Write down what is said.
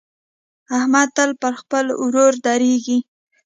احمد تل پر خپل ورور درېږي.